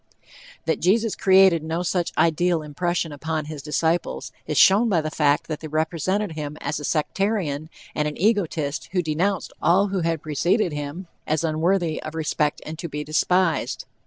That Jesus created no such ideal impression upon his disciples, is shown by the fact that they represented him as a sectarian and an egotist who denounced all who had preceded him as unworthy of respect and to be despised.